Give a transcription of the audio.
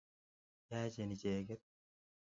Yaachen icheget.